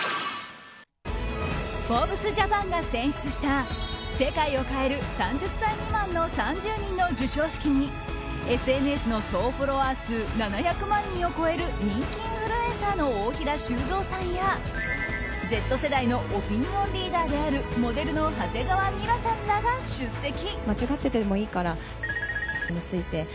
「ＦｏｒｂｅｓＪＡＰＡＮ」が選出した世界を変える３０歳未満の３０人の授賞式にＳＮＳの総フォロワー数７００万人を超える人気インフルエンサーの大平修蔵さんやＺ世代のオピニオンリーダーであるモデルの長谷川ミラさんらが出席。